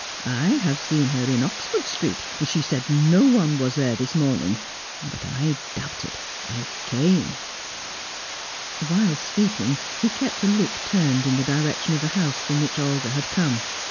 I have seen her in Oxford Street! She said no one was there this morning, but I doubted I came!" Whilst speaking, he kept a look turned in the direction of the house from which Olga had come.